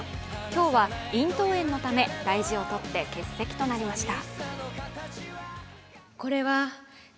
今日は、咽頭炎のため大事を取って欠席となりました。